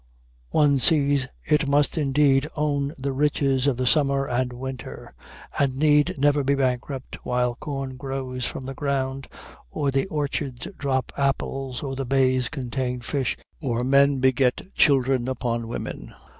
One sees it must indeed own the riches of the summer and winter, and need never be bankrupt while corn grows from the ground, or the orchards drop apples, or the bays contain fish, or men beget children upon women.